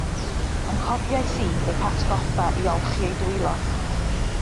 Anghofiais i eu hatgoffa i olchi eu dwylo.